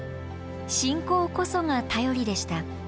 信仰こそが頼りでした。